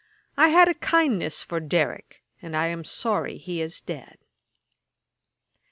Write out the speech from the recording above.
I had a kindness for Derrick, and am sorry he is dead.'